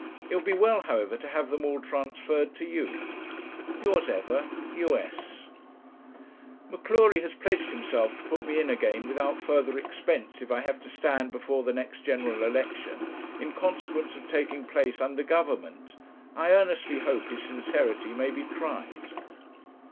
It will be well, however, to have them all transferred to you. 'Yours ever, 'U.S. 'M'Cleury has pledged himself to put me in again without further expense, if I have to stand before the next general election, in consequence of taking place under Government. I earnestly hope his sincerity may be tried.'